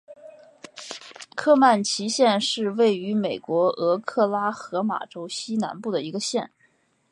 科曼奇县是位于美国俄克拉何马州西南部的一个县。